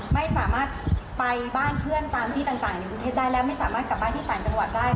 ไม่สามารถไปบ้านเพื่อนตามที่ต่างในกรุงเทพได้แล้วไม่สามารถกลับบ้านที่ต่างจังหวัดได้